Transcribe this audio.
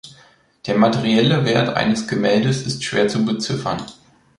Der materielle Wert eines Gemäldes ist schwer zu beziffern.